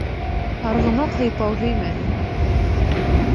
Арғымаҡ һыйпау һөймәҫ